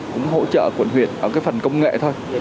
cũng hỗ trợ quận huyện ở cái phần công nghệ thôi